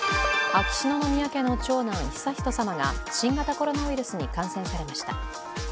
秋篠宮家の長男・悠仁さまが新型コロナウイルスに感染されました。